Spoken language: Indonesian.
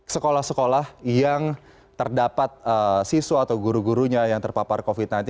sekolah sekolah yang terdapat siswa atau guru gurunya yang terpapar covid sembilan belas